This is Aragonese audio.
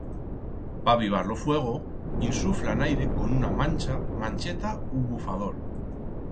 Pa avivar lo fuego, insuflan aire con una mancha, mancheta u bufador.